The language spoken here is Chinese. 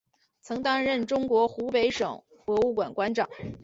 曾担任中国湖北省博物馆馆长。